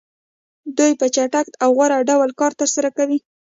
دوی په چټک او غوره ډول کار ترسره کوي